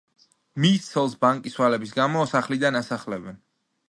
მის ცოლს ბანკის ვალების გამო სახლიდან ასახლებენ.